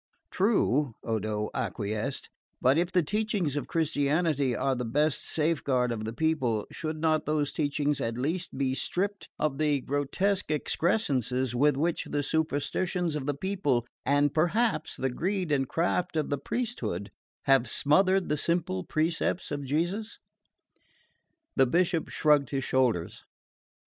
"True," Odo acquiesced; "but if the teachings of Christianity are the best safeguard of the people, should not those teachings at least be stripped of the grotesque excrescences with which the superstitions of the people and perhaps the greed and craft of the priesthood have smothered the simple precepts of Jesus?" The Bishop shrugged his shoulders.